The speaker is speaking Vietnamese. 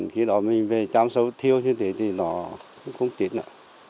khi đó mình về trám sâu thiêu như thế thì nó cũng chết nữa